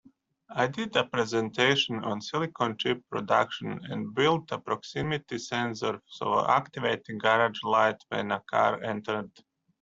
I did a presentation on silicon chip production and built a proximity sensor for activating garage lights when a car entered.